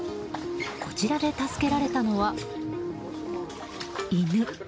こちらで助けられたのは犬。